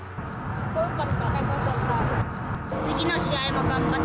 かっこよかった。